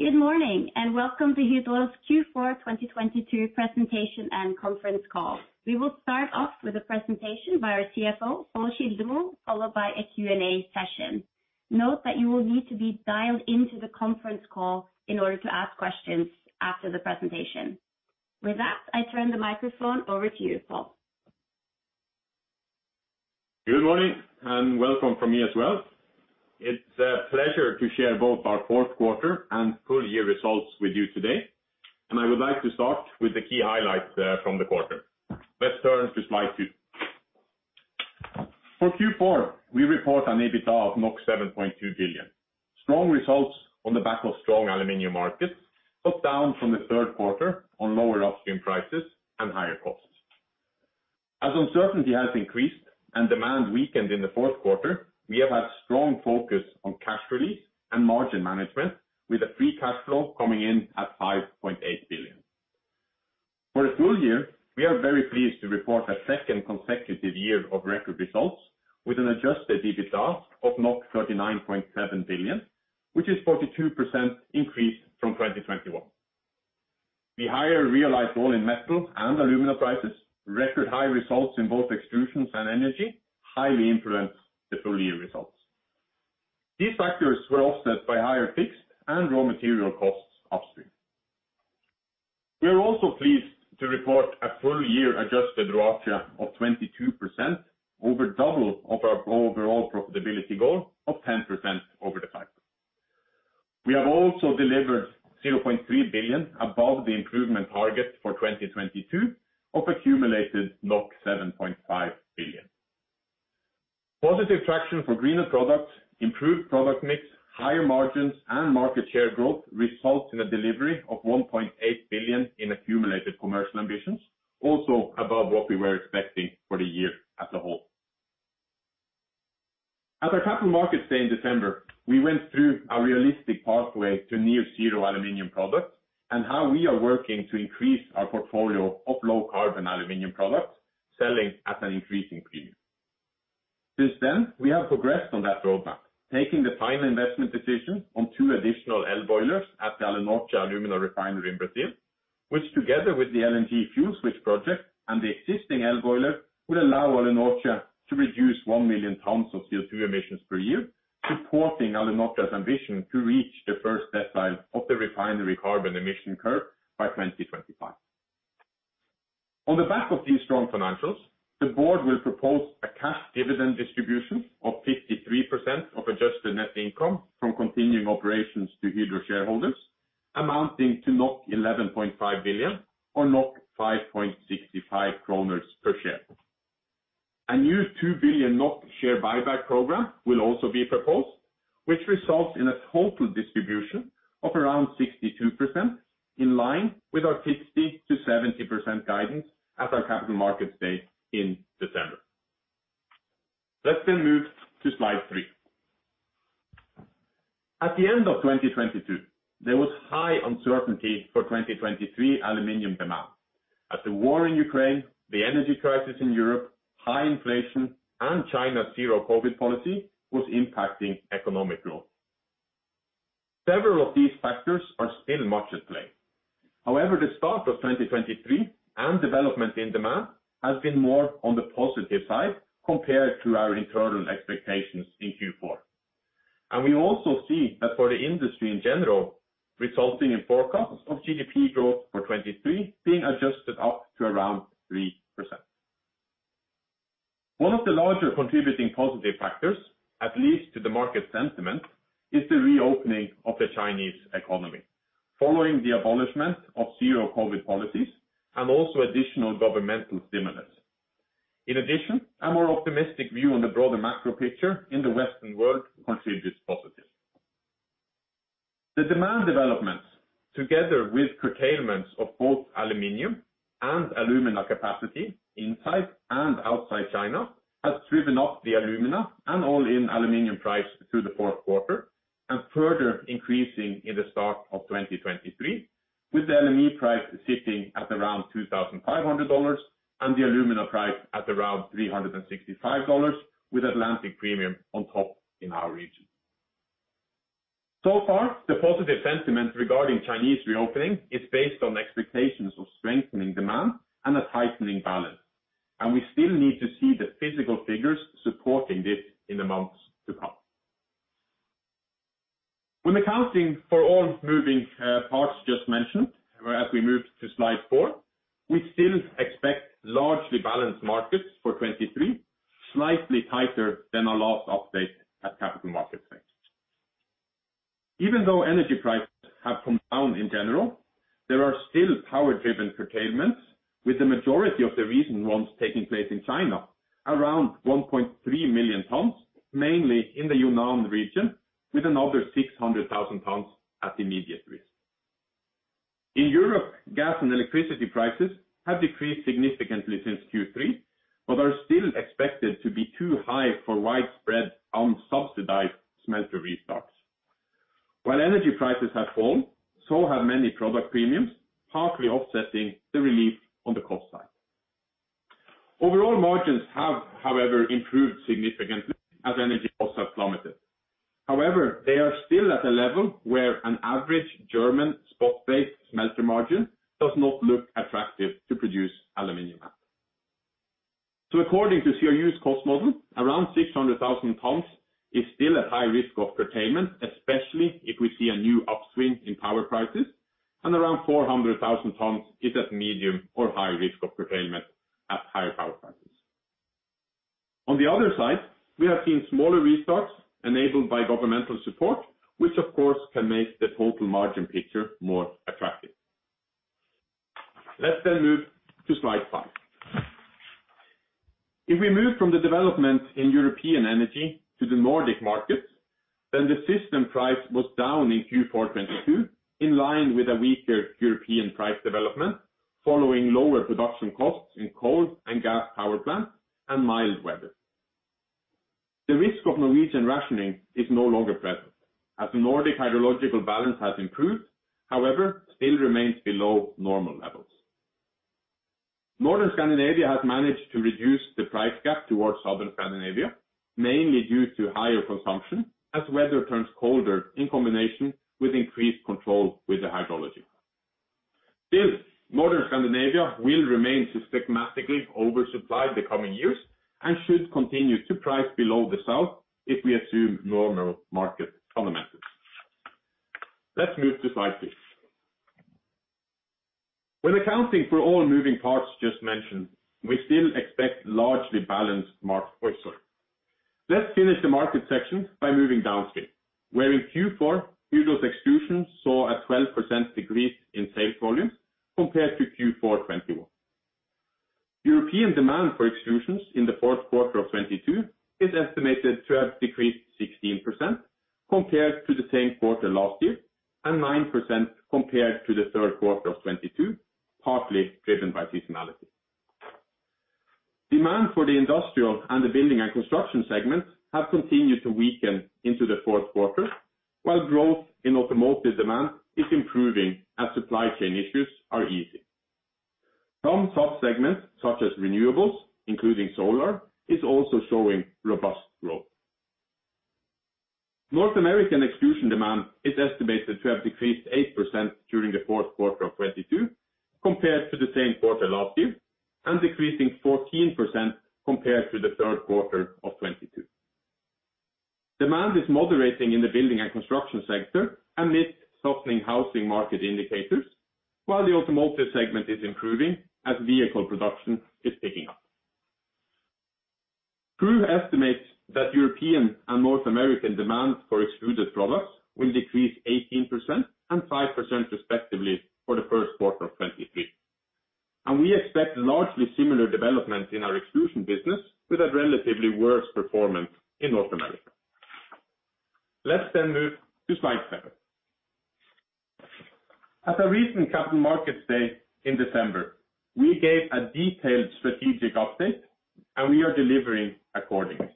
Good morning, and welcome to Hydro's Q4 2022 Presentation and Conference Call. We will start off with a presentation by our CFO, Pål Kildemo, followed by a Q&A session. Note that you will need to be dialed into the conference call in order to ask questions after the presentation. With that, I turn the microphone over to you, Pål. Good morning. Welcome from me as well. It's a pleasure to share both our fourth quarter and full year results with you today. I would like to start with the key highlights from the quarter. Let's turn to slide 2. For Q4, we report an EBITDA of 7.2 billion. Strong results on the back of strong aluminum markets. Down from the third quarter on lower upstream prices and higher costs. As uncertainty has increased and demand weakened in the fourth quarter, we have had strong focus on cash release and margin management, with a free cash flow coming in at 5.8 billion. For the full year, we are very pleased to report a second consecutive year of record results with an adjusted EBITDA of 39.7 billion, which is 42% increase from 2021. The higher realized all-in metal and alumina prices record high results in both extrusions and energy highly influence the full year results. These factors were offset by higher fixed and raw material costs upstream. We are also pleased to report a full year adjusted ROACE of 22%, over double of our overall profitability goal of 10% over the 5%. We have also delivered 0.3 billion above the improvement target for 2022 of accumulated 7.5 billion. Positive traction for greener products, improved product mix, higher margins and market share growth results in a delivery of 1.8 billion in accumulated commercial ambitions, also above what we were expecting for the year as a whole. At our capital markets day in December, we went through a realistic pathway to near zero aluminum products and how we are working to increase our portfolio of low carbon aluminum products selling at an increasing premium. Since then, we have progressed on that roadmap, taking the final investment decision on two additional L boilers at the Alunorte alumina refinery in Brazil, which together with the LNG fuel switch project and the existing L boiler, would allow Alunorte to reduce 1 million tons of CO₂ emissions per year, supporting Alunorte's ambition to reach the first decile of the refinery carbon emission curve by 2025. On the back of these strong financials, the board will propose a cash dividend distribution of 53% of adjusted net income from continuing operations to Hydro shareholders, amounting to 11.5 billion or 5.65 kroners per share. A new 2 billion NOK share buyback program will also be proposed, which results in a total distribution of around 62% in line with our 60%-70% guidance at our Capital Markets Day in December. Let's move to slide 3. At the end of 2022, there was high uncertainty for 2023 aluminium demand. As the war in Ukraine, the energy crisis in Europe, high inflation and China's zero-COVID policy was impacting economic growth. Several of these factors are still much at play. However, the start of 2023 and development in demand has been more on the positive side compared to our internal expectations in Q4. We also see that for the industry in general, resulting in forecasts of GDP growth for 2023 being adjusted up to around 3%. One of the larger contributing positive factors, at least to the market sentiment, is the reopening of the Chinese economy following the abolishment of zero-COVID policies and also additional governmental stimulus. In addition, a more optimistic view on the broader macro picture in the Western world contributes positive. The demand developments, together with curtailments of both aluminum and alumina capacity inside and outside China, has driven up the alumina and all-in aluminum price through the fourth quarter and further increasing in the start of 2023 with the LME price sitting at around $2,500 and the alumina price at around $365, with Atlantic Premium on top in our region. Far, the positive sentiment regarding Chinese reopening is based on expectations of strengthening demand and a tightening balance. We still need to see the physical figures supporting this in the months to come. When accounting for all moving parts just mentioned, as we move to slide 4, we still expect largely balanced markets for 2023, slightly tighter than our last update at Capital Markets Day. Even though energy prices have come down in general, there are still power-driven curtailments, with the majority of the recent ones taking place in China, around 1.3 million tons, mainly in the Yunnan region, with another 600,000 tons at immediate risk. In Europe, gas and electricity prices have decreased significantly since Q3. Are still expected to be too high for widespread unsubsidized smelter restarts. While energy prices have fallen, so have many product premiums, partly offsetting the relief on the cost side. Overall margins have, however, improved significantly as energy costs have plummeted. However, they are still at a level where an average German spot-based smelter margin does not look attractive to produce aluminum at. According to CRU's cost model, around 600,000 tons is still at high risk of curtailment, especially if we see a new upswing in power prices, and around 400,000 tons is at medium or high risk of curtailment at higher power prices. On the other side, we have seen smaller restarts enabled by governmental support, which of course, can make the total margin picture more attractive. Let's then move to slide 5. If we move from the development in European energy to the Nordic markets, then the system price was down in Q4 2022, in line with a weaker European price development following lower production costs in coal and gas power plants and mild weather. The risk of Norwegian rationing is no longer present as Nordic hydrological balance has improved, however, still remains below normal levels. Northern Scandinavia has managed to reduce the price gap towards southern Scandinavia, mainly due to higher consumption as weather turns colder in combination with increased control with the hydrology. Still, northern Scandinavia will remain systemically oversupplied the coming years and should continue to price below the south if we assume normal market fundamentals. Let's move to slide 6. When accounting for all moving parts just mentioned, we still expect largely balanced market. Oh, sorry. Let's finish the market section by moving downstream, where in Q4, Hydro's extrusions saw a 12% decrease in sales volumes compared to Q4 2021. European demand for extrusions in the fourth quarter of 2022 is estimated to have decreased 16% compared to the same quarter last year and 9% compared to the third quarter of 2022, partly driven by seasonality. Demand for the industrial and the building and construction segments have continued to weaken into the fourth quarter, while growth in automotive demand is improving as supply chain issues are easing. Some sub-segments, such as renewables, including solar, is also showing robust growth. North American extrusion demand is estimated to have decreased 8% during the fourth quarter of 2022 compared to the same quarter last year, and decreasing 14% compared to the third quarter of 2022. Demand is moderating in the building and construction sector amidst softening housing market indicators, while the automotive segment is improving as vehicle production is picking up. CRU estimates that European and North American demand for extruded products will decrease 18% and 5% respectively for the first quarter of 2023. We expect largely similar development in our extrusion business with a relatively worse performance in North America. Let's then move to slide 7. At a recent Capital Markets Day in December, we gave a detailed strategic update and we are delivering accordingly.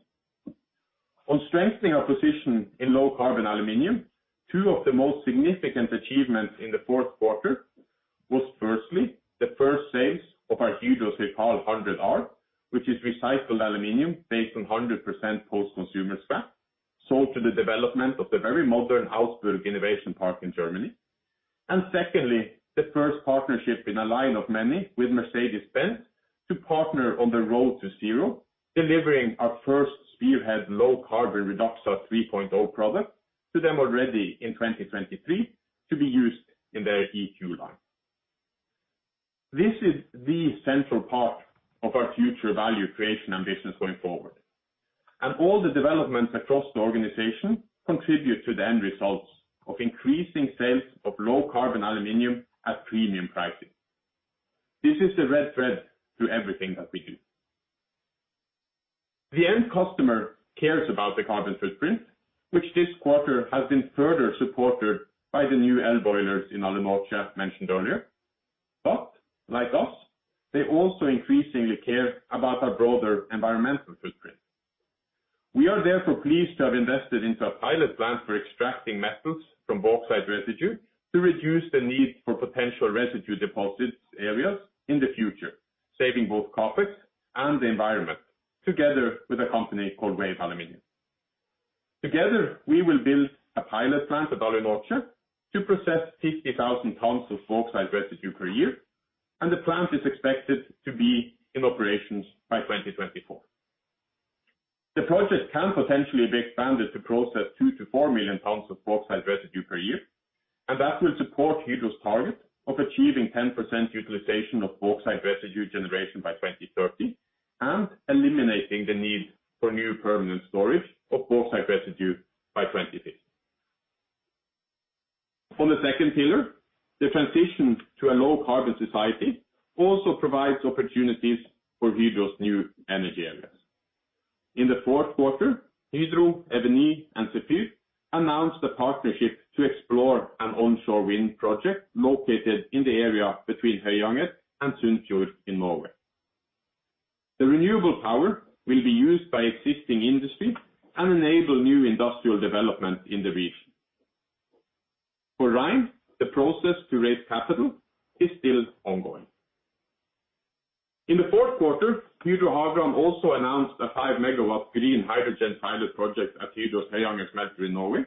On strengthening our position in low carbon aluminum, two of the most significant achievements in the fourth quarter was firstly, the first sales of our Hydro CIRCAL 100R, which is recycled aluminum based on 100% post-consumer scrap, sold to the development of the very modern Harburg Innovation Park in Germany. Secondly, the first partnership in a line of many with Mercedes-Benz to partner on the road to zero, delivering our first spearhead low carbon Hydro REDUXA 3.0 product to them already in 2023 to be used in their EQ line. This is the central part of our future value creation ambitions going forward. All the developments across the organization contribute to the end results of increasing sales of low carbon aluminum at premium pricing. This is the red thread through everything that we do. The end customer cares about the carbon footprint, which this quarter has been further supported by the new electric boilers in Alunorte as mentioned earlier. Like us, they also increasingly care about our broader environmental footprint. We are therefore pleased to have invested into a pilot plant for extracting metals from bauxite residue to reduce the need for potential residue deposit areas in the future, saving both CapEx and the environment together with a company called Wave Aluminium. Together, we will build a pilot plant at Alunorte to process 50,000 tons of bauxite residue per year, and the plant is expected to be in operations by 2024. The project can potentially be expanded to process 2 million-4 million tons of bauxite residue per year, and that will support Hydro's target of achieving 10% utilization of bauxite residue generation by 2030 and eliminating the need for new permanent storage of bauxite residue by 2050. On the second pillar, the transition to a low carbon society also provides opportunities for Hydro's new energy areas. In the fourth quarter, Hydro, Eviny, and Zephyr announced a partnership to explore an onshore wind project located in the area between Høyanger and Sunnfjord in Norway. The renewable power will be used by existing industry and enable new industrial development in the region. For Rein, the process to raise capital is still ongoing. In the fourth quarter, Hydro Havrand also announced a 5 MW green hydrogen pilot project at Hydro's Herøya smelter in Norway.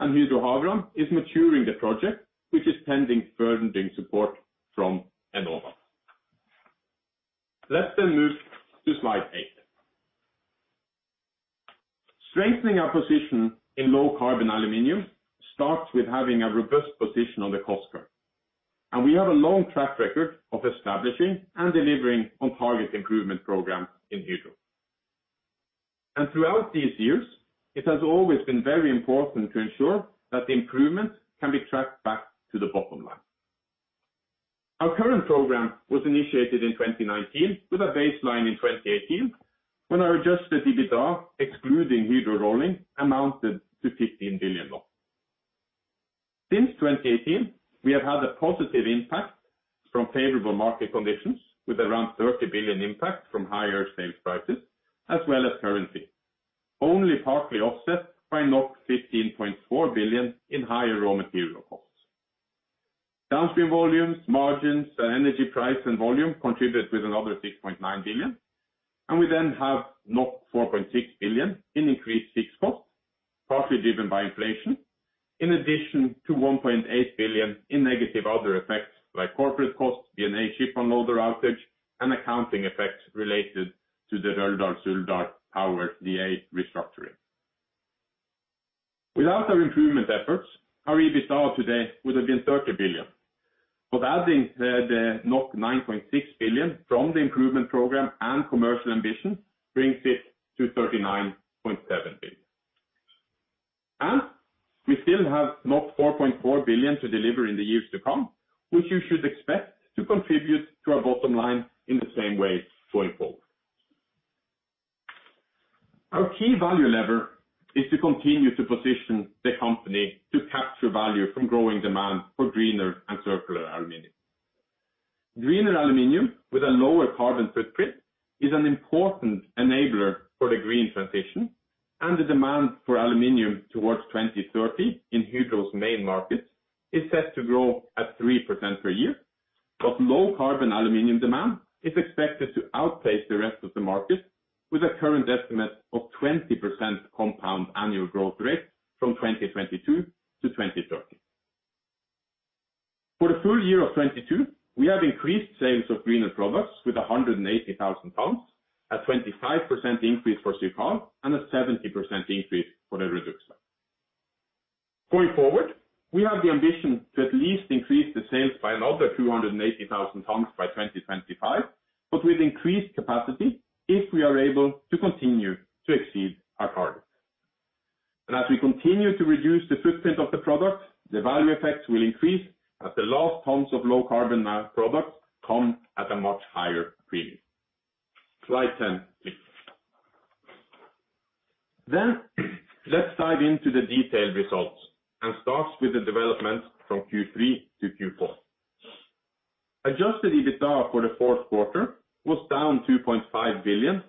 Hydro Havrand is maturing the project, which is pending further support from Enova. Let's move to slide 8. Strengthening our position in low carbon aluminium starts with having a robust position on the cost curve. We have a long track record of establishing and delivering on-target improvement program in Hydro. Throughout these years, it has always been very important to ensure that the improvement can be tracked back to the bottom line. Our current program was initiated in 2019 with a baseline in 2018 when our adjusted EBITDA, excluding Hydro Rolling, amounted to NOK 15 billion. Since 2018, we have had a positive impact from favorable market conditions with around 30 billion impact from higher sales prices as well as currency, only partly offset by 15.4 billion in higher raw material costs. Downstream volumes, margins, and energy price and volume contributed with another 6.9 billion. We then have 4.6 billion in increased SFK costs, partly driven by inflation, in addition to 1.8 billion in negative other effects like corporate costs, BNA ship unloader outage, and accounting effects related to the Røldal-Suldal Power DA restructuring. Without our improvement efforts, our EBITDA today would have been 30 billion. Adding the 9.6 billion from the improvement program and commercial ambition brings it to 39.7 billion. We still have 4.4 billion to deliver in the years to come, which you should expect to contribute to our bottom line in the same way going forward. Our key value lever is to continue to position the company to capture value from growing demand for greener and circular aluminum. Greener aluminum with a lower carbon footprint is an important enabler for the green transition, and the demand for aluminum towards 2030 in Hydro's main markets is set to grow at 3% per year. Low-carbon aluminum demand is expected to outpace the rest of the market with a current estimate of 20% compound annual growth rate from 2022 to 2030. For the full year of 2022, we have increased sales of greener products with 180,000 tons, a 25% increase for Silikon, and a 70% increase for Hydro REDUXA. Going forward, we have the ambition to at least increase the sales by another 280,000 tons by 2025, with increased capacity if we are able to continue to exceed our targets. As we continue to reduce the footprint of the product, the value effects will increase as the last tons of low carbon products come at a much higher premium. Slide 10, please. Let's dive into the detailed results and start with the development from Q3 to Q4. Adjusted EBITDA for the fourth quarter was down 2.5 billion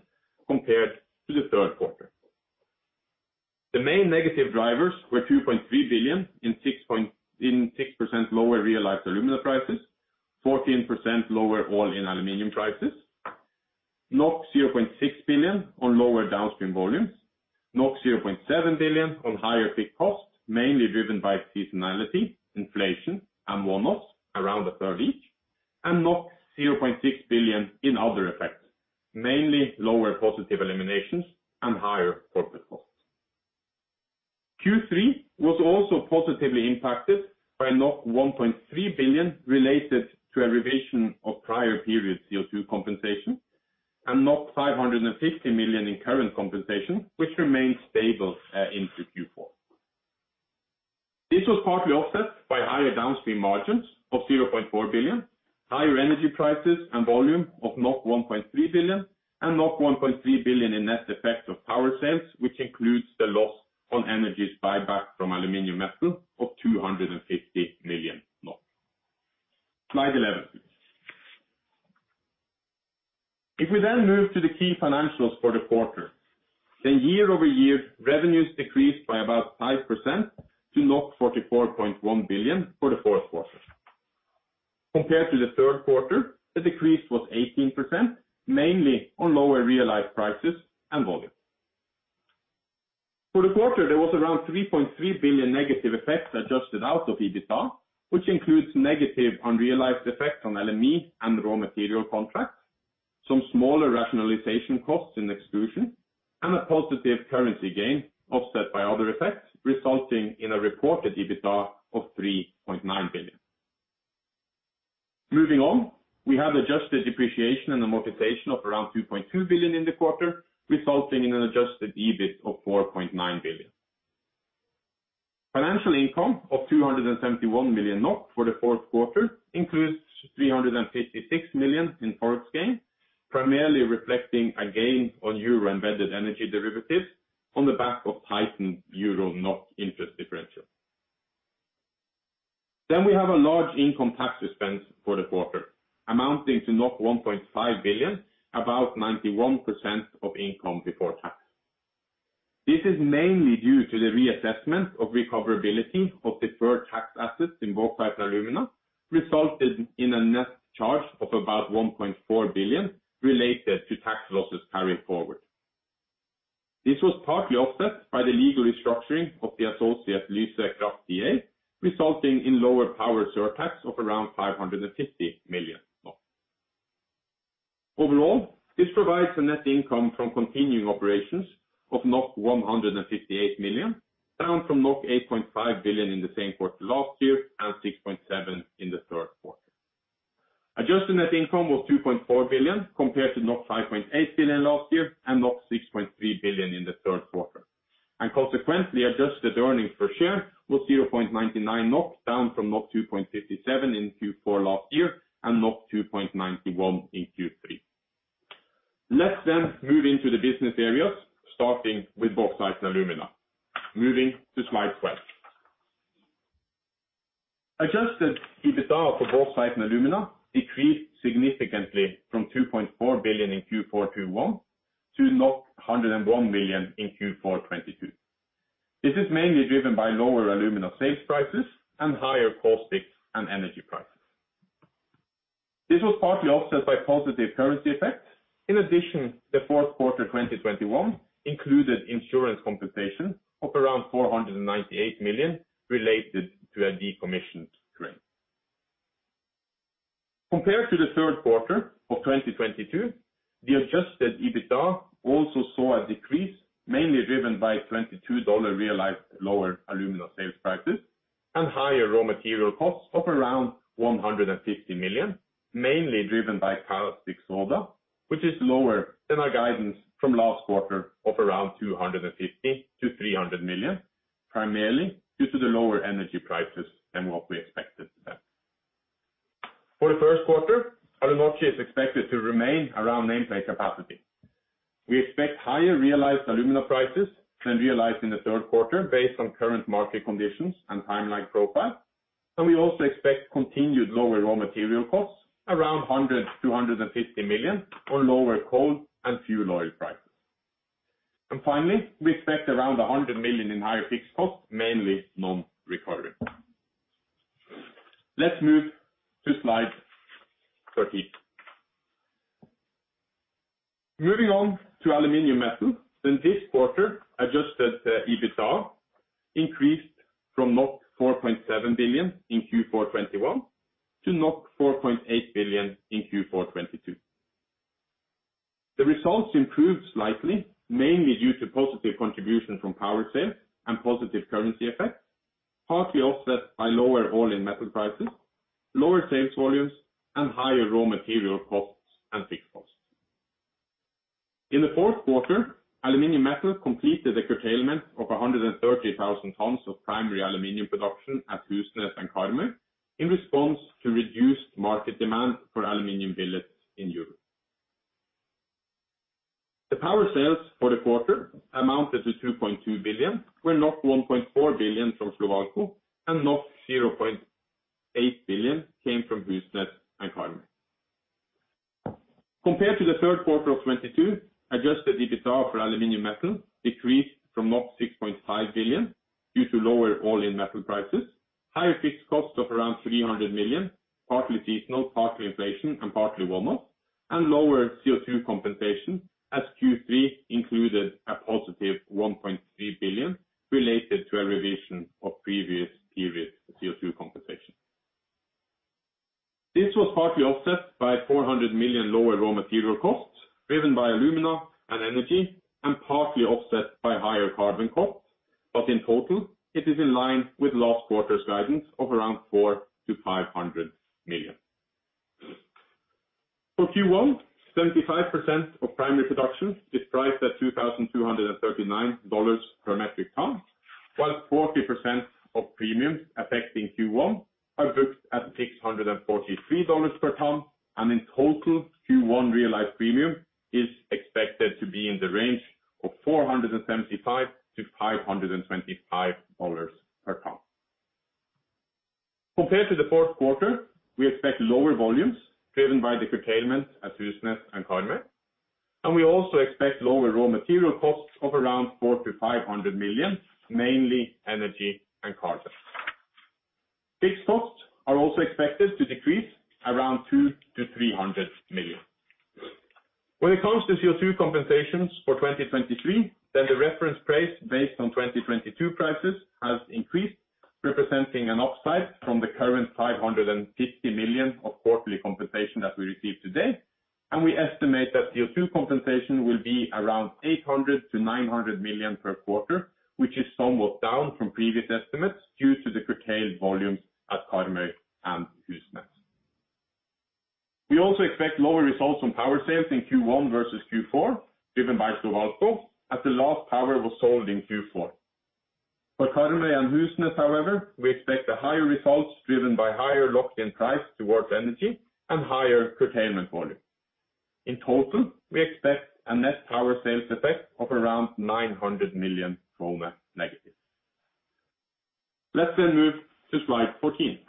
compared to the third quarter. The main negative drivers were 2.3 billion in 6% lower realized alumina prices, 14% lower all-in aluminum prices, 0.6 billion on lower downstream volumes, 0.7 billion on higher SFK costs, mainly driven by seasonality, inflation, and M&Os, around a third each, and 0.6 billion in other effects, mainly lower positive eliminations and higher corporate costs. Q3 was also positively impacted by 1.3 billion related to a revision of prior period CO2 compensation and 550 million in current compensation, which remained stable into Q4. This was partly offset by higher downstream margins of 0.4 billion, higher energy prices and volume of 1.3 billion, 1.3 billion in net effect of power sales, which includes the loss on energy's buyback from Aluminium Metal of 250 million. Slide 11. We move to the key financials for the quarter, year-over-year revenues decreased by about 5% to 44.1 billion for the fourth quarter. Compared to the third quarter, the decrease was 18%, mainly on lower realized prices and volume. For the quarter, there was around 3.3 billion negative effects adjusted out of EBITDA, which includes negative unrealized effects on LME and raw material contracts, some smaller rationalization costs in extrusion, and a positive currency gain offset by other effects, resulting in a reported EBITDA of 3.9 billion. Moving on, we have adjusted depreciation and amortization of around 2.2 billion in the quarter, resulting in an adjusted EBIT of 4.9 billion. Financial income of 271 million NOK for the fourth quarter includes 356 million in forex gains, primarily reflecting a gain on euro embedded energy derivatives on the back of heightened euro NOK interest differential. We have a large income tax expense for the quarter amounting to 1.5 billion, about 91% of income before tax. This is mainly due to the reassessment of recoverability of deferred tax assets in Bauxite and Alumina, resulted in a net charge of about 1.4 billion related to tax losses carried forward. This was partly offset by the legal restructuring of the associate Lyse Kraft DA, resulting in lower power surtax of around 550 million. Overall, this provides a net income from continuing operations of 158 million, down from 8.5 billion in the same quarter last year and 6.7 billion in the third quarter. Adjusted net income was 2.4 billion compared to 5.8 billion last year and 6.3 billion in the third quarter. Consequently, adjusted earnings per share was 0.99 NOK, down from 2.57 in Q4 last year and 2.91 in Q3. Let's move into the business areas, starting with Bauxite and Alumina. Moving to slide 12. Adjusted EBITDA for Bauxite and Alumina decreased significantly from 2.4 billion in Q4 2021 to 101 million in Q4 2022. This is mainly driven by lower alumina sales prices and higher caustic and energy prices. This was partly offset by positive currency effects. The fourth quarter 2021 included insurance compensation of around 498 million related to a decommissioned train. Compared to the third quarter of 2022, the adjusted EBITDA also saw a decrease, mainly driven by $22 realized lower alumina sales prices and higher raw material costs of around $150 million, mainly driven by caustic soda, which is lower than our guidance from last quarter of around $250 million-$300 million, primarily due to the lower energy prices than what we expected then. For the first quarter, Alunorte is expected to remain around nameplate capacity. We also expect higher realized alumina prices than realized in the third quarter based on current market conditions and timeline profile. We also expect continued lower raw material costs, around $100 million-$150 million for lower coal and fuel oil prices. Finally, we expect around $100 million in higher fixed costs, mainly non-recurring. Let's move to slide 13. Moving on to Aluminium Metal. In this quarter, adjusted EBITDA increased from 4.7 billion in Q4 2021 to 4.8 billion in Q4 2022. The results improved slightly, mainly due to positive contribution from power sales and positive currency effects, partly offset by lower all-in metal prices, lower sales volumes, and higher raw material costs and fixed costs. In the fourth quarter, Aluminium Metal completed a curtailment of 130,000 tons of primary aluminium production at Husnes and Karmøy in response to reduced market demand for aluminium billets in Europe. The power sales for the quarter amounted to 2.2 billion, where 1.4 billion from Slovalco and 0.8 billion came from Husnes and Karmøy. Compared to the third quarter of 2022, adjusted EBITDA for Aluminium Metal decreased from 6.5 billion due to lower all-in metal prices, higher fixed costs of around 300 million, partly seasonal, partly inflation, and partly warm up, and lower CO2 compensation, as Q3 included a +1.3 billion related to a revision of previous period CO2 compensation. In total, it is in line with last quarter's guidance of around 400 million-500 million. For Q1, 75% of primary production is priced at $2,239 per metric ton, while 40% of premiums affecting Q1 are booked at $643 per ton. In total, Q1 realized premium is expected to be in the range of $475-$525 per ton. Compared to the fourth quarter, we expect lower volumes driven by the curtailment at Husnes and Karmøy, and we also expect lower raw material costs of around $400 million-$500 million, mainly energy and carbon. Fixed costs are also expected to decrease around $200 million-$300 million. When it comes to CO2 compensation for 2023, then the reference price based on 2022 prices has increased, representing an upside from the current $550 million of quarterly compensation that we receive today. We estimate that CO2 compensation will be around $800 million-$900 million per quarter, which is somewhat down from previous estimates due to the curtailed volumes at Karmøy and Husnes. We also expect lower results on power sales in Q1 versus Q4, driven by Slovalco, as the last power was sold in Q4. For Karmøy and Husnes, however, we expect a higher results driven by higher locked in price towards energy and higher curtailment volume. In total, we expect a net power sales effect of around -900 million. Let's then move to slide 14.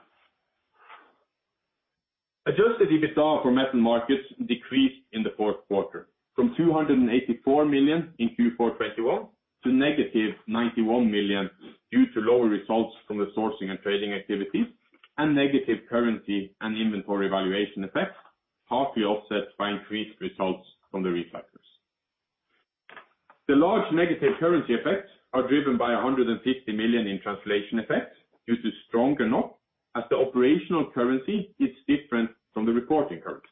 Adjusted EBITDA for metal markets decreased in the fourth quarter from 284 million in Q4 2021 to -91 million, due to lower results from the sourcing and trading activities and negative currency and inventory valuation effects, partly offset by increased results from the recyclers. The large negative currency effects are driven by 150 million in translation effects due to stronger NOK as the operational currency is different from the reporting currency.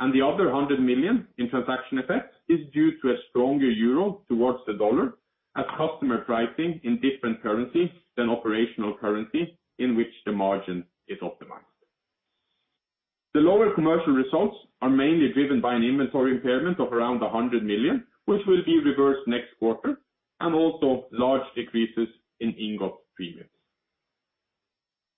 The other 100 million in transaction effects is due to a stronger Euro towards the Dollar as customer pricing in different currencies than operational currency in which the margin is optimized. The lower commercial results are mainly driven by an inventory impairment of around 100 million, which will be reversed next quarter, and also large decreases in ingot premiums.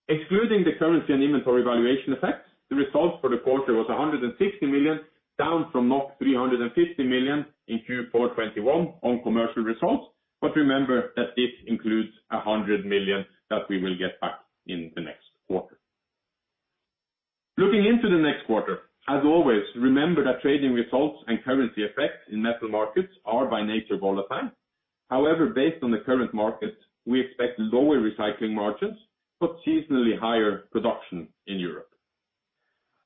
Excluding the currency and inventory valuation effects, the results for the quarter was 160 million, down from 350 million in Q4 2021 on commercial results. Remember that this includes 100 million that we will get back in the next quarter. Looking into the next quarter, as always, remember that trading results and currency effects in metal markets are by nature volatile. Based on the current market, we expect lower recycling margins, but seasonally higher production in Europe.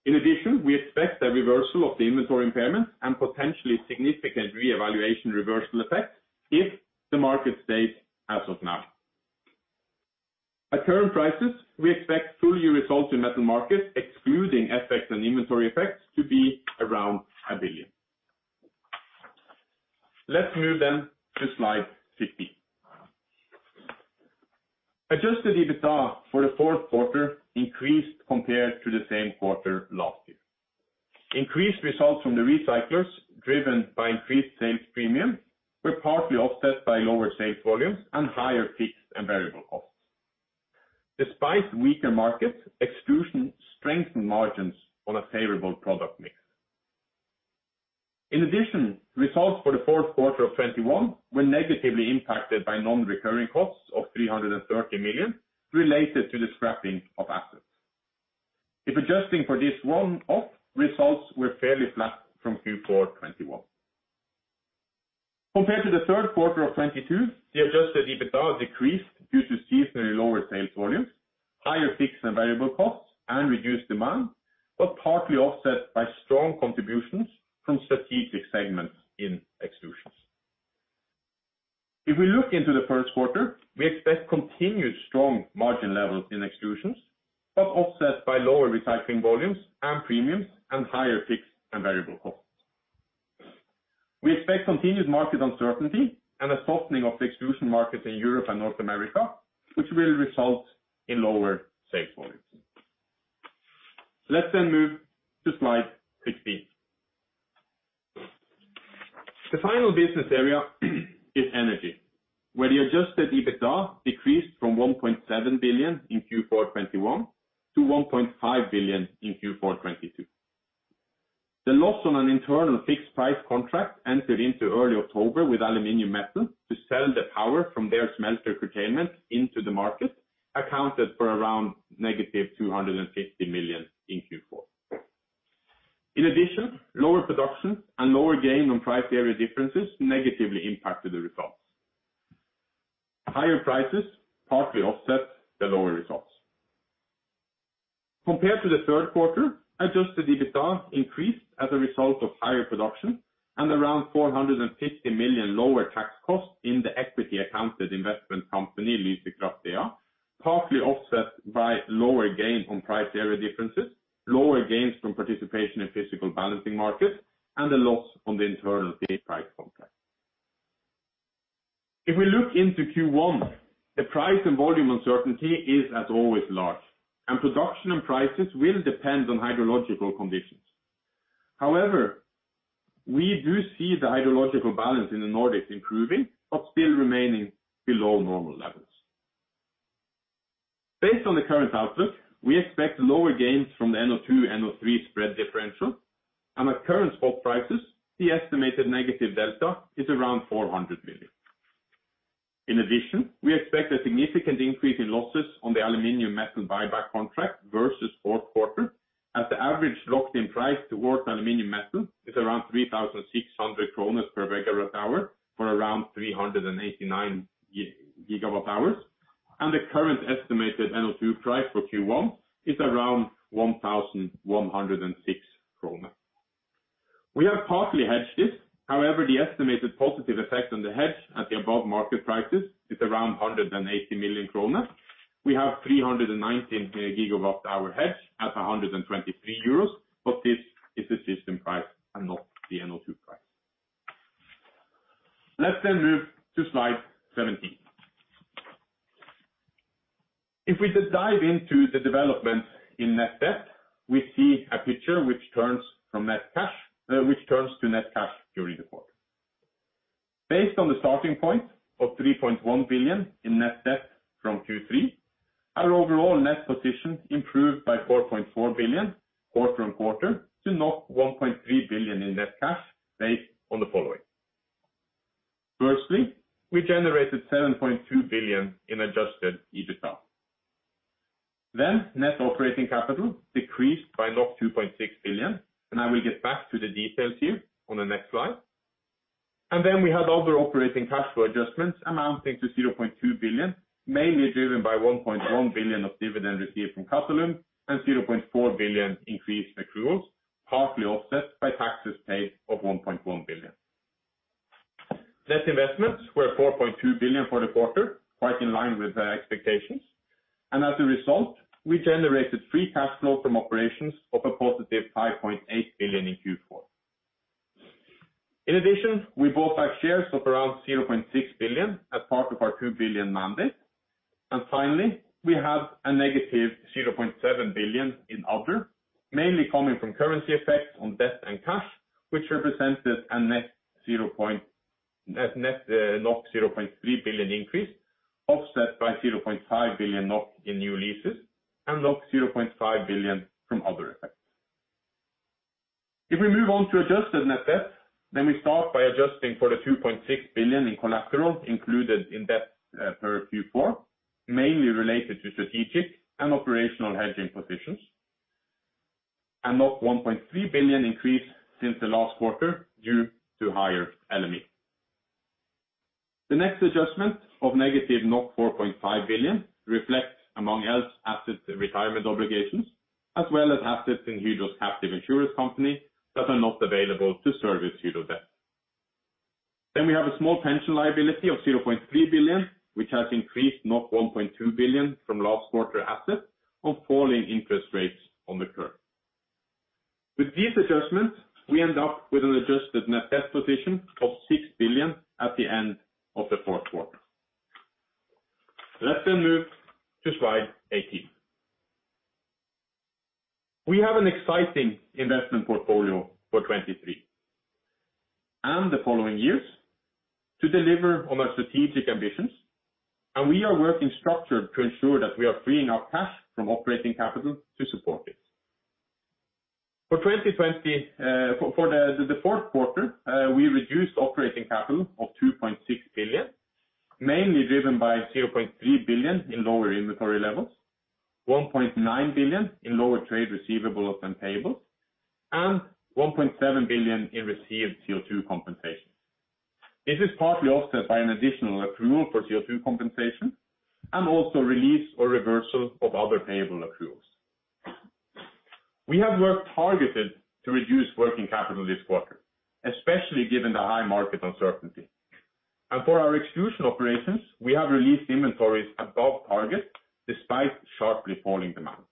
In addition, we expect a reversal of the inventory impairment and potentially significant reevaluation reversal effects if the market stays as of now. At current prices, we expect full year results in metal markets, excluding effects and inventory effects, to be around 1 billion. Let's move then to slide 16. Adjusted EBITDA for the fourth quarter increased compared to the same quarter last year. Increased results from the recyclers, driven by increased sales premium, were partly offset by lower sales volumes and higher fixed and variable costs. Despite weaker markets, Extrusions strengthened margins on a favorable product mix. In addition, results for the fourth quarter of 2021 were negatively impacted by non-recurring costs of 330 million related to the scrapping of assets. If adjusting for this one-off, results were fairly flat from Q4 2021. Compared to the third quarter of 2022, the adjusted EBITDA decreased due to seasonally lower sales volumes, higher fixed and variable costs, and reduced demand, partly offset by strong contributions from strategic segments in Extrusions. If we look into the first quarter, we expect continued strong margin levels in Extrusions, offset by lower recycling volumes and premiums and higher fixed and variable costs. We expect continued market uncertainty and a softening of the Extrusion markets in Europe and North America, which will result in lower sales volumes. Let's move to slide 16. The final business area is Energy, where the adjusted EBITDA decreased from 1.7 billion in Q4 2021 to 1.5 billion in Q4 2022. The loss on an internal fixed price contract entered into early October with Aluminium Metal to sell the power from their smelter curtailment into the market accounted for around -250 million in Q4. Lower production and lower gain on price area differences negatively impacted the results. Higher prices partly offset the lower results. Compared to the third quarter, adjusted EBITDA increased as a result of higher production and around 450 million lower tax costs in the equity accounted investment company, Lyse Kraft DA, partly offset by lower gain on price area differences, lower gains from participation in physical balancing markets, and the loss on the internal pay price contract. If we look into Q1, the price and volume uncertainty is, as always, large, and production and prices will depend on hydrological conditions. We do see the hydrological balance in the Nordics improving, but still remaining below normal levels. Based on the current outlook, we expect lower gains from the NO2/NO3 spread differential, and at current spot prices, the estimated negative delta is around 400 million. In addition, we expect a significant increase in losses on the Aluminium Metal buyback contract versus fourth quarter, as the average locked-in price towards Aluminium Metal is around 3,600 kroner per megawatt hour for around 389 gigawatt hours, and the current estimated NO2 price for Q1 is around 1,106 krone. We have partly hedged this. The estimated positive effect on the hedge at the above market prices is around 180 million kroner. We have 319 gigawatt hour hedge at 123 euros, this is the system price and not the NO2 price. Let's move to slide 17. If we just dive into the development in net debt, we see a picture which turns to net cash during the quarter. Based on the starting point of 3.1 billion in net debt from Q3, our overall net position improved by 4.4 billion quarter-on-quarter to 1.3 billion in net cash based on the following. Firstly, we generated 7.2 billion in adjusted EBITDA. Net operating capital decreased by 2.6 billion. I will get back to the details here on the next slide. We have other operating cash flow adjustments amounting to $0.2 billion, mainly driven by $1.1 billion of dividend received from Qatalum and $0.4 billion increased accruals, partly offset by taxes paid of $1.1 billion. Net investments were $4.2 billion for the quarter, quite in line with our expectations. As a result, we generated free cash flow from operations of a $+5.8 billion in Q4. In addition, we bought back shares of around $0.6 billion as part of our $2 billion mandate. Finally, we have a $-0.7 billion in other, mainly coming from currency effects on debt and cash, which represented a net zero point... net 0.3 billion increase, offset by 0.5 billion NOK in new leases and 0.5 billion from other effects. If we move on to adjusted net debt, we start by adjusting for the 2.6 billion in collateral included in debt per Q4, mainly related to strategic and operational hedging positions. 1.3 billion increase since the last quarter due to higher LME. The next adjustment of -4.5 billion reflects among else assets and retirement obligations, as well as assets in Hydro's captive insurance company that are not available to service Hydro debt. We have a small pension liability of 0.3 billion, which has increased 1.2 billion from last quarter assets on falling interest rates on the curve. With these adjustments, we end up with an adjusted net debt position of 6 billion at the end of the fourth quarter. Let's move to slide 18. We have an exciting investment portfolio for 2023 and the following years to deliver on our strategic ambitions, and we are working structured to ensure that we are freeing up cash from operating capital to support it. For the fourth quarter, we reduced operating capital of 2.6 billion, mainly driven by 0.3 billion in lower inventory levels, 1.9 billion in lower trade receivables and payables, and 1.7 billion in received CO2 compensation. This is partly offset by an additional accrual for CO2 compensation and also release or reversal of other payable accruals. We have worked targeted to reduce working capital this quarter, especially given the high market uncertainty. For our Extrusion operations, we have released inventories above target despite sharply falling demand.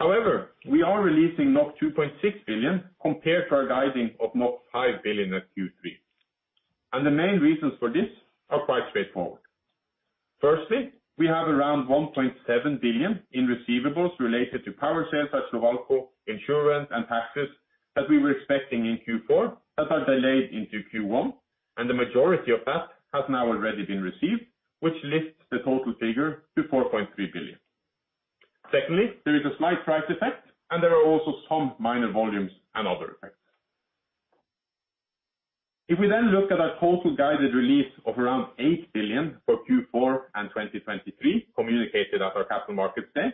However, we are releasing 2.6 billion compared to our guiding of 5 billion at Q3. The main reasons for this are quite straightforward. Firstly, we have around 1.7 billion in receivables related to power sales at Slovalco, insurance and taxes that we were expecting in Q4 that are delayed into Q1, and the majority of that has now already been received, which lifts the total figure to 4.3 billion. Secondly, there is a slight price effect, and there are also some minor volumes and other effects. We look at our total guided release of around 8 billion for Q4 and 2023, communicated at our Capital Markets Day.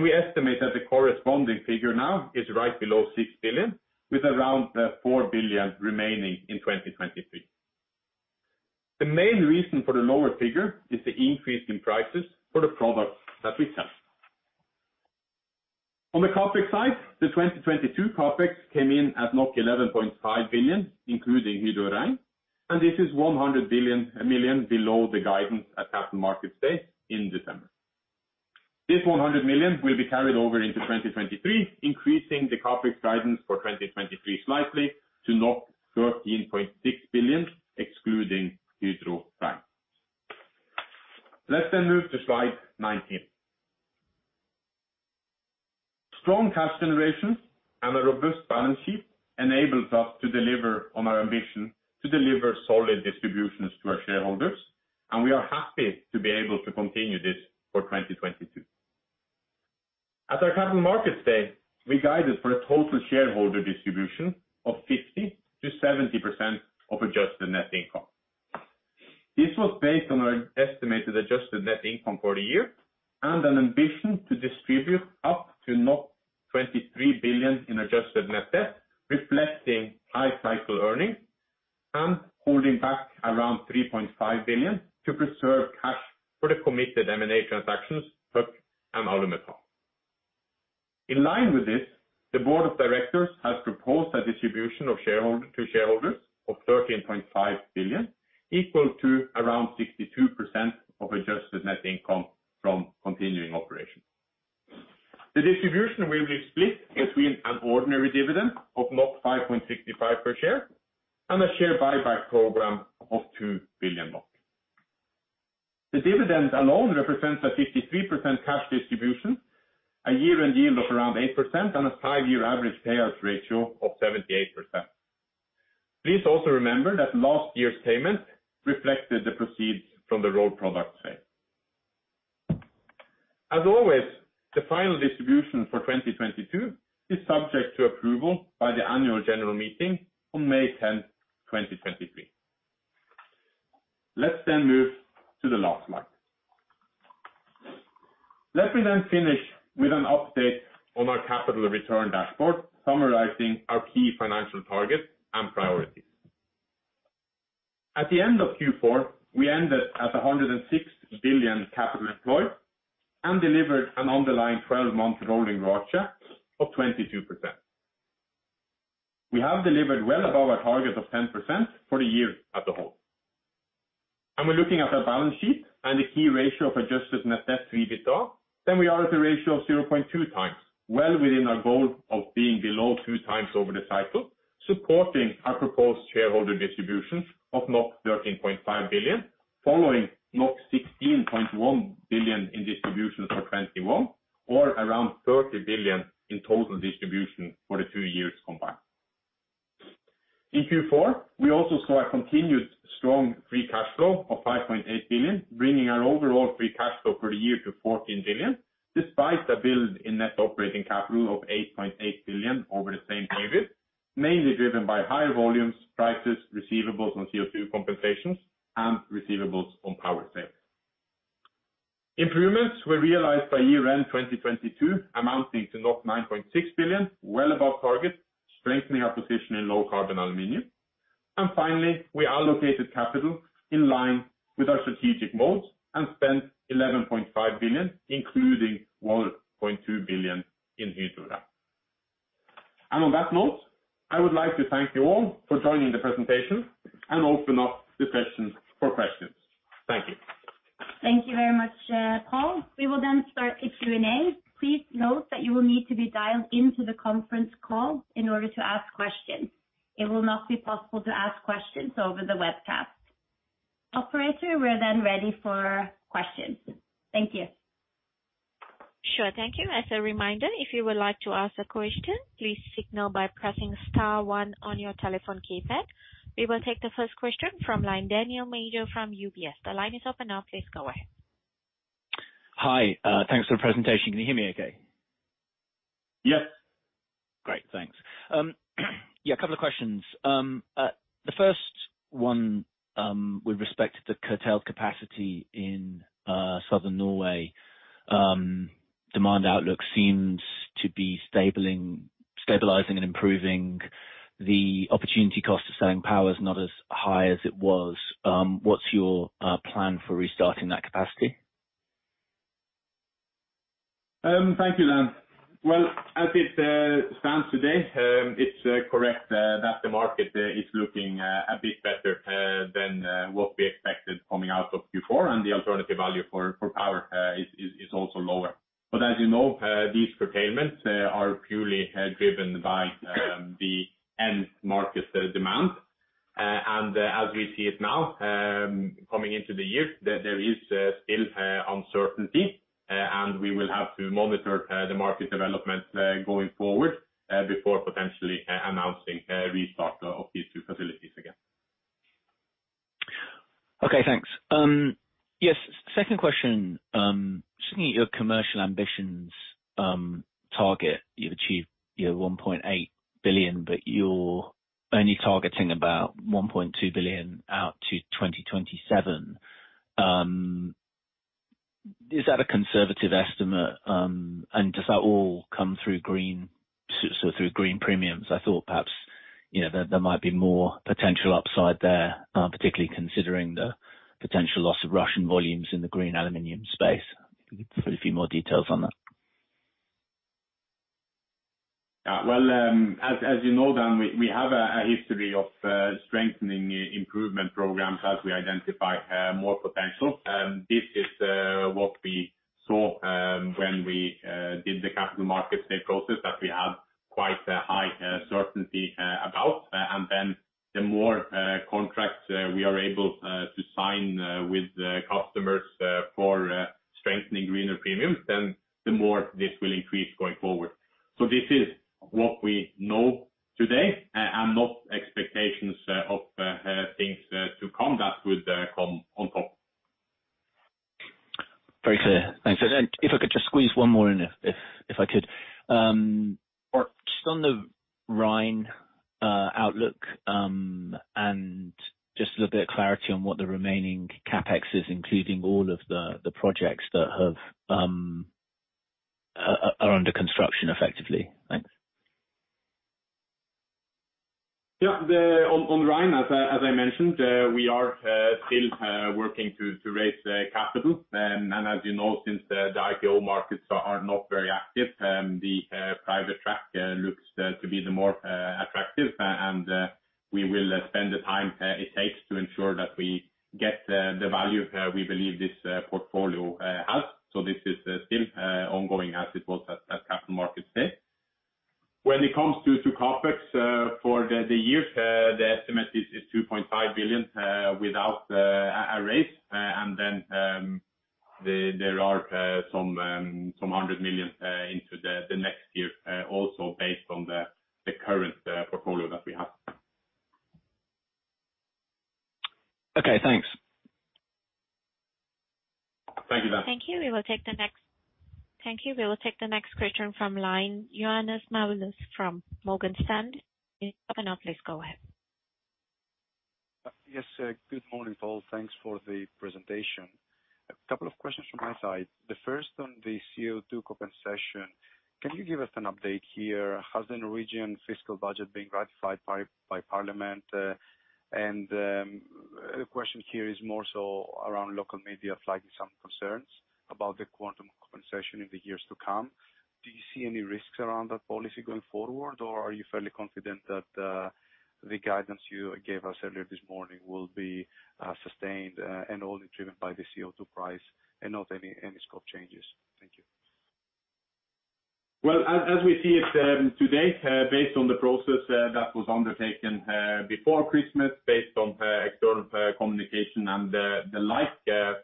We estimate that the corresponding figure now is right below 6 billion, with around 4 billion remaining in 2023. The main reason for the lower figure is the increase in prices for the products that we sell. On the CapEx side, the 2022 CapEx came in at 11.5 billion, including Hydro Rein, and this is 100 million below the guidance at Capital Markets Day in December. This 100 million will be carried over into 2023, increasing the CapEx guidance for 2023 slightly to 13.6 billion, excluding Hydro Rein. Let's move to slide 19. Strong cash generation and a robust balance sheet enables us to deliver on our ambition to deliver solid distributions to our shareholders, and we are happy to be able to continue this for 2022. At our Capital Markets Day, we guided for a total shareholder distribution of 50%-70% of adjusted net income. This was based on our estimated adjusted net income for the year and an ambition to distribute up to 23 billion in adjusted net debt, reflecting high cycle earnings and holding back around 3.5 billion to preserve cash for the committed M&A transactions, Hueck and Alumetal. In line with this, the board of directors has proposed a distribution to shareholders of 13.5 billion, equal to around 62% of adjusted net income from continuing operations. The distribution will be split between an ordinary dividend of 5.65 per share and a share buyback program of 2 billion NOK. The dividend alone represents a 53% cash distribution, a year-end yield of around 8% on a 5-year average payout ratio of 78%. Please also remember that last year's payment reflected the proceeds from the rolled product sale. As always, the final distribution for 2022 is subject to approval by the annual general meeting on May 10th, 2023. Let's move to the last slide. Let me finish with an update on our capital return dashboard summarizing our key financial targets and priorities. At the end of Q4, we ended at NOK 106 billion capital employed and delivered an underlying 12-month rolling ROACE of 22%. We have delivered well above our target of 10% for the year as a whole. We're looking at our balance sheet and the key ratio of adjusted net debt to EBITDA, then we are at a ratio of 0.2x, well within our goal of being below 2x over the cycle, supporting our proposed shareholder distributions of 13.5 billion, following 16.1 billion in distributions for 2021, or around 30 billion in total distribution for the two years combined. In Q4, we also saw a continued strong free cash flow of 5.8 billion, bringing our overall free cash flow for the year to 14 billion, despite a build in net operating capital of 8.8 billion over the same period, mainly driven by higher volumes, prices, receivables on CO2 compensations, and receivables on power sales. Improvements were realized by year-end 2022 amounting to 9.6 billion, well above target, strengthening our position in low carbon aluminum. Finally, we allocated capital in line with our strategic modes and spent 11.5 billion, including 1.2 billion in Hydro. On that note, I would like to thank you all for joining the presentation and open up the session for questions. Thank you. Thank you very much, Pål. We will start the Q&A. Please note that you will need to be dialed into the conference call in order to ask questions. It will not be possible to ask questions over the webcast. Operator, we're ready for questions. Thank you. Sure. Thank you. As a reminder, if you would like to ask a question, please signal by pressing star one on your telephone keypad. We will take the first question from line, Daniel Major from UBS. The line is open now. Please go ahead. Hi. Thanks for the presentation. Can you hear me okay? Yes. Great. Thanks. A couple of questions. The first one, with respect to the curtail capacity in southern Norway, demand outlook seems to be stabilizing and improving the opportunity cost of selling power is not as high as it was. What's your plan for restarting that capacity? Thank you, Dan. Well, as it stands today, it's correct that the market is looking a bit better than what we expected coming out of Q4 and the alternative value for power is also lower. As you know, these curtailments are purely driven by the end market demand. As we see it now, coming into the year, there is still uncertainty, and we will have to monitor the market development going forward before potentially announcing a restart of these two facilities again. Okay, thanks. Yes, second question. Just looking at your commercial ambitions target, you've achieved your $1.8 billion, but you're only targeting about $1.2 billion out to 2027. Is that a conservative estimate, and does that all come through green, so through green premiums? I thought perhaps, you know, there might be more potential upside there, particularly considering the potential loss of Russian volumes in the green aluminum space. If you could put a few more details on that. Yeah. Well, as you know, Dan, we have a history of strengthening improvement programs as we identify more potential. This is what we saw when we did the Capital Markets Day process that we have quite a high certainty about. Then the more contracts we are able to sign with the customers for strengthening greener premiums, then the more this will increase going forward. This is what we know today and not expectations of things to come that would come on top. Very clear. Thanks. If I could just squeeze one more in if I could. Or just on the Rein outlook, and just a little bit of clarity on what the remaining CapEx is, including all of the projects that have are under construction effectively. Thanks. On Rein, as I, as I mentioned, we are still working to raise capital. As you know, since the IPO markets are not very active, the private track looks to be the more attractive, and we will spend the time it takes to ensure that we get the value we believe this portfolio has. This is still ongoing as it was at Capital Markets Day. When it comes to CapEx for the years, the estimate is $2.5 billion without a raise. There are some $100 million into the next year, also based on the current portfolio that we have. Okay, thanks. Thank you. Thank you. We will take the next question from line Ioannis Masvoulas from Morgan Stanley. Please go ahead. Yes. Good morning, Pål. Thanks for the presentation. A couple of questions from my side. The first on the CO2 compensation. Can you give us an update here? Has the Norwegian fiscal budget been ratified by parliament? The question here is more so around local media flagging some concerns about the quantum compensation in the years to come. Do you see any risks around that policy going forward, or are you fairly confident that the guidance you gave us earlier this morning will be sustained and only driven by the CO2 price and not any scope changes? Thank you. Well, as we see it, to date, based on the process that was undertaken before Christmas, based on external communication and the like,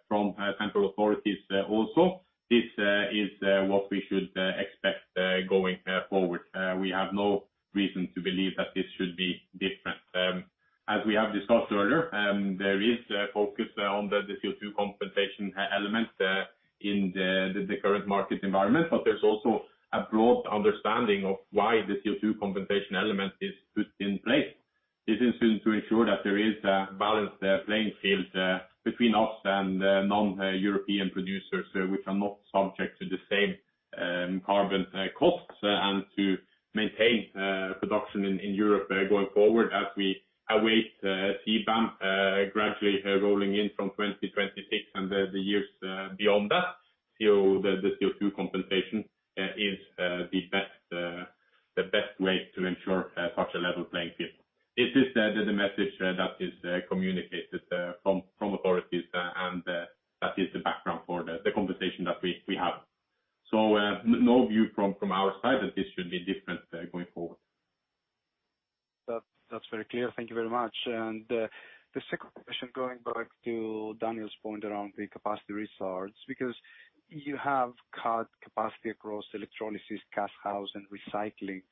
from central authorities also, this is what we should expect going forward. We have no reason to believe that this should be different. As we have discussed earlier, there is a focus on the CO₂ compensation e-element in the current market environment, but there's also a broad understanding of why the CO₂ compensation element is put in place. This is to ensure that there is a balanced playing field between us and non-European producers, so which are not subject to the same carbon costs and to maintain production in Europe going forward. As we await CBAM gradually rolling in from 2026 and the years beyond that. The CO₂ compensation is the best way to ensure such a level playing field. This is the message that is communicated from authorities, and that is the background for the conversation that we have. No view from our side that this should be different going forward. That's very clear. Thank you very much. The second question, going back to Daniel's point around the capacity restarts, because you have cut capacity across electrolysis, cast house and recycling.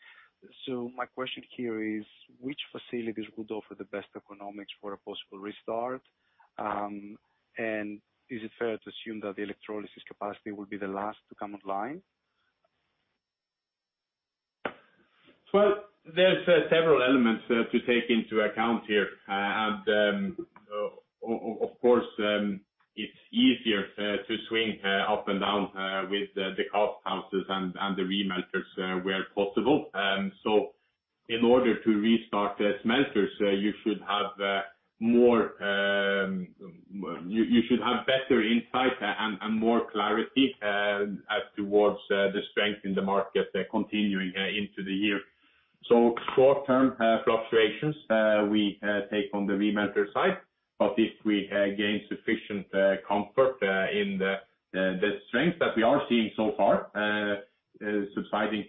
My question here is which facilities would offer the best economics for a possible restart? Is it fair to assume that the electrolysis capacity will be the last to come online? Well, there's several elements to take into account here. Of course, it's easier to swing up and down with the cast houses and the remelters where possible. In order to restart the smelters, you should have more, you should have better insight and more clarity as towards the strength in the market continuing into the year. Short-term fluctuations, we take on the remelter side, but if we gain sufficient comfort in the strength that we are seeing so far, subsiding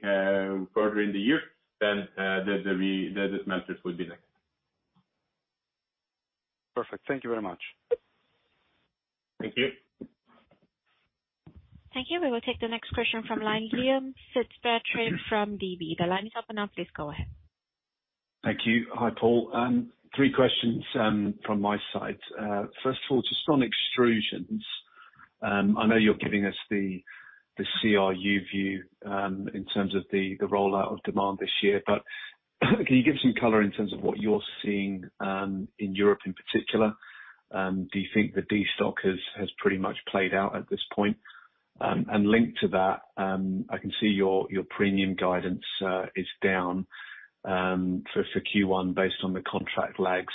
further in the year, then the smelters will be next. Perfect. Thank you very much. Thank you. Thank you. We will take the next question from Liam Fitzpatrick from DB. The line is open now. Please go ahead. Thank you. Hi, Pål. Three questions from my side. First of all, just on Extrusions, I know you're giving us the CRU view, in terms of the rollout of demand this year. Can you give some color in terms of what you're seeing in Europe in particular? Do you think the destock has pretty much played out at this point? Linked to that, I can see your premium guidance is down for Q1 based on the contract lags.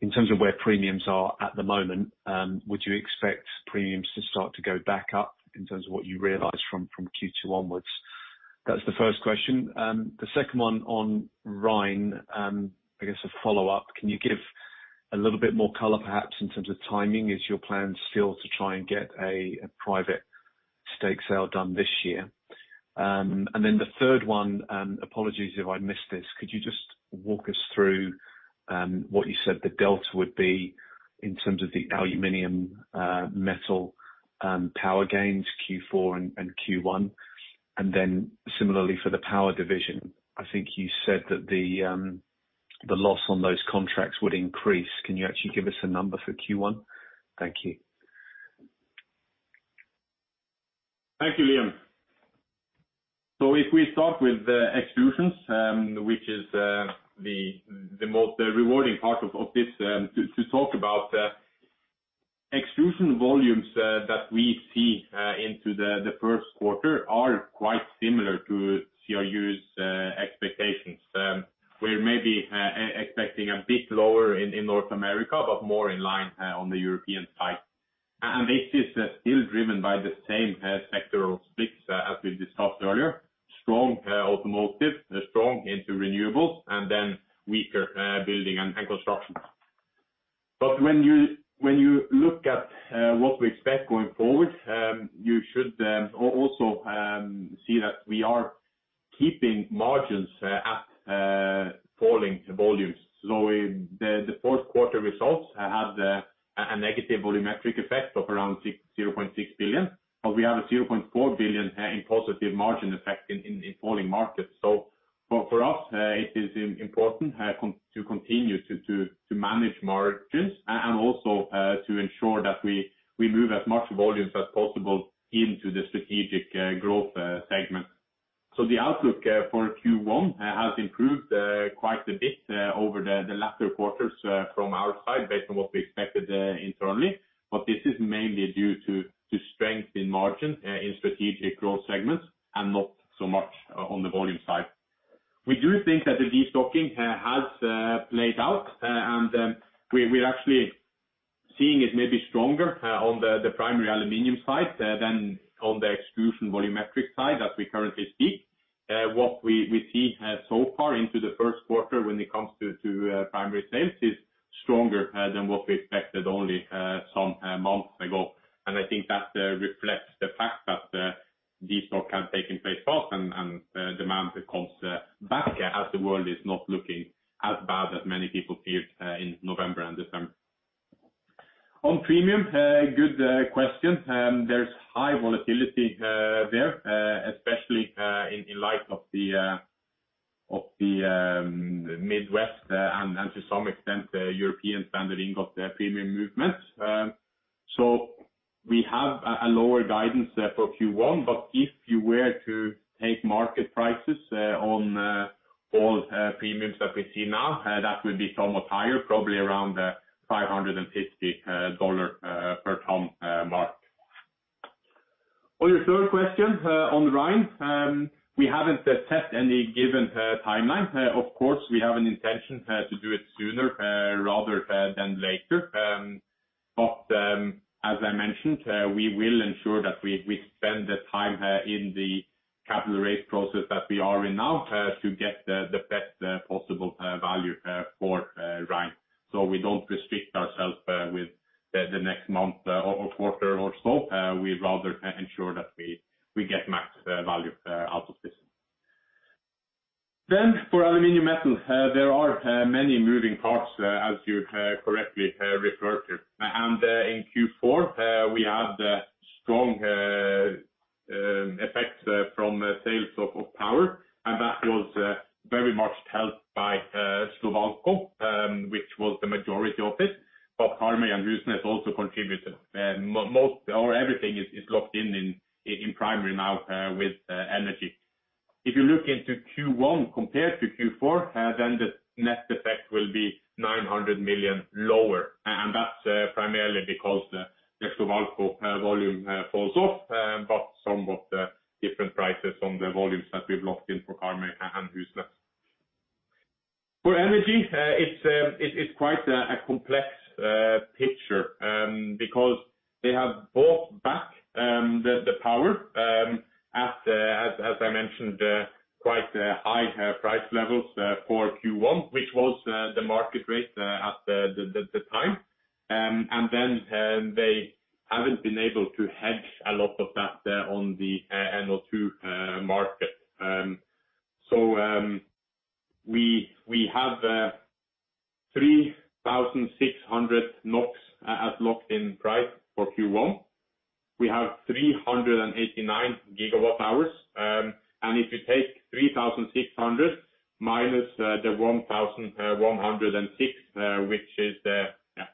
In terms of where premiums are at the moment, would you expect premiums to start to go back up in terms of what you realize from Q2 onwards? That's the first question. The second one on Rein, I guess a follow-up. Can you give a little bit more color perhaps in terms of timing? Is your plan still to try and get a private stake sale done this year? The third one, apologies if I missed this. Could you just walk us through what you said the delta would be in terms of the Aluminium Metal power gains, Q4 and Q1? Similarly for the power division, I think you said that the loss on those contracts would increase. Can you actually give us a number for Q1? Thank you. Thank you, Liam. If we start with the Extrusions, which is the most rewarding part of this, to talk about. Extrusion volumes that we see into the first quarter are quite similar to CRU's expectations. We're maybe expecting a bit lower in North America, but more in line on the European side. This is still driven by the same sectoral splits as we discussed earlier. Strong automotive, strong into renewables, and then weaker building and construction. When you, when you look at what we expect going forward, you should also see that we are keeping margins at falling volumes. The fourth quarter results have a negative volumetric effect of around 0.6 billion, but we have a 0.4 billion in positive margin effect in falling markets. Well, for us, it is important to continue to manage margins and also to ensure that we move as much volumes as possible into the strategic growth segments. The outlook for Q1 has improved quite a bit over the latter quarters from our side based on what we expected internally. This is mainly due to strength in margins in strategic growth segments and not so much on the volume side. We do think that the destocking has played out, and we're actually seeing it maybe stronger on the primary aluminum side than on the Extrusion volumetric side as we currently speak. What we see so far into the first quarter when it comes to primary sales is stronger than what we expected only some months ago. I think that reflects the fact that destock has taken place fast and demand comes back as the world is not looking as bad as many people feared in November and December. On premium, good question. There's high volatility there, especially in light of the Midwest and to some extent the European standarding of the premium movements. We have a lower guidance for Q1, but if you were to take market prices on all premiums that we see now, that would be somewhat higher, probably around $550 per ton mark. On your third question on Hydro Rein, we haven't set any given timeline. Of course, we have an intention to do it sooner rather than later. As I mentioned, we will ensure that we spend the time in the capital raise process that we are in now to get the best possible value for Hydro Rein. We don't restrict ourself with the next month or quarter or so. We'd rather ensure that we get max value out of this. For Aluminium Metal, there are many moving parts as you correctly referred to. In Q4, we had strong effects from sales of power, and that was very much helped by Slovalco, which was the majority of it. Karmøy and Husnes also contributed. Most or everything is locked in primary now with energy. If you look into Q1 compared to Q4, the net effect will be 900 million lower. And that's primarily because the Slovalco volume falls off, but some of the different prices on the volumes that we've locked in for Karmøy and Husnes. For energy, it's quite a complex picture, because they have bought back the power, as I mentioned, quite high price levels for Q1, which was the market rate at the time. They haven't been able to hedge a lot of that there on the NO2 market. We have 3,600 NOK as locked-in price for Q1. We have 389 gigawatt hours. If you take 3,600 minus the 1,106, which is the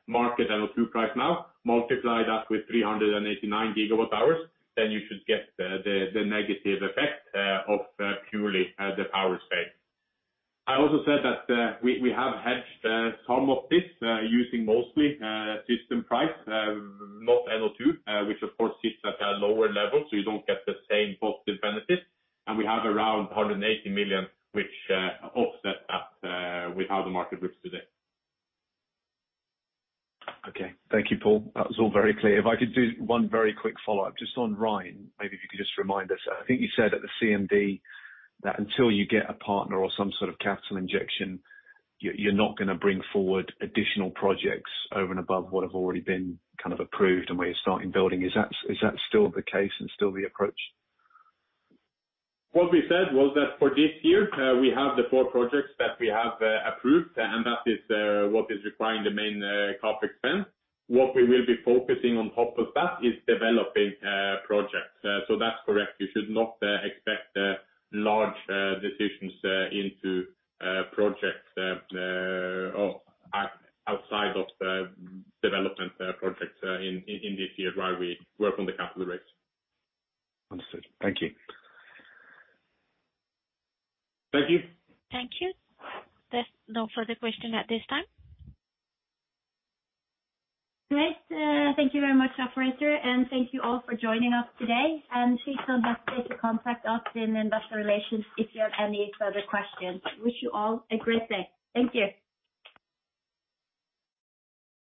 market NO2 price now, multiply that with 389 gigawatt hours, then you should get the negative effect of purely the power space. I also said that we have hedged some of this using mostly system price, not NO2, which of course sits at a lower level, so you don't get the same positive benefits. We have around 180 million which offset that with how the market looks today. Thank you, Pål. That was all very clear. I could do one very quick follow-up just on Hydro Rein, maybe if you could just remind us. I think you said at the CMD that until you get a partner or some sort of capital injection, you're not gonna bring forward additional projects over and above what have already been kind of approved and where you're starting building. Is that still the case and still the approach? What we said was that for this year, we have the four projects that we have approved, and that is what is requiring the main CapEx spend. What we will be focusing on top of that is developing projects. That's correct. You should not expect large decisions into projects or at outside of the development projects in this year while we work on the capital raise. Understood. Thank you. Thank you. Thank you. There's no further question at this time. Great. Thank you very much, operator, thank you all for joining us today. Please don't hesitate to contact us in investor relations if you have any further questions. Wish you all a great day. Thank you.